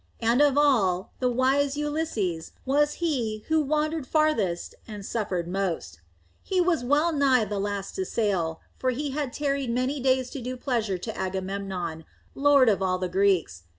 And of all, the wise Ulysses was he who wandered farthest and suffered most. He was well nigh the last to sail, for he had tarried many days to do pleasure to Agamemnon, lord of all the Greeks.